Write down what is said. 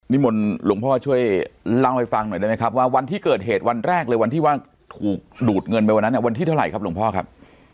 มนต์หลวงพ่อช่วยเล่าให้ฟังหน่อยได้ไหมครับว่าวันที่เกิดเหตุวันแรกเลยวันที่ว่าถูกดูดเงินไปวันนั้นวันที่เท่าไหร่ครับหลวงพ่อครับ